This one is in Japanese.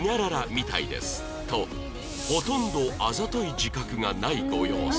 「みたいです」とほとんどあざとい自覚がないご様子